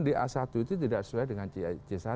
di a satu itu tidak sesuai dengan c satu